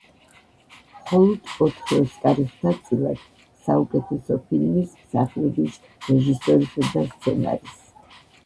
მხოლოდ ოთხი ოსკარი ხვდა წილად – საუკეთესო ფილმის, მსახიობის, რეჟისორისა და სცენარის.